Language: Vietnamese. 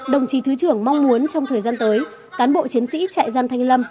đồng chí thứ trưởng mong muốn trong thời gian tới cán bộ chiến sĩ trại giam thanh lâm